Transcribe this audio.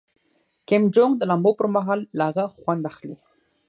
کیم جونګ د لامبو پر مهال له هغه خوند اخلي.